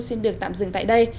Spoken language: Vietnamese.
xin được tạm dừng tại đây